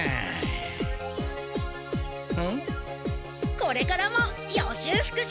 これからも予習復習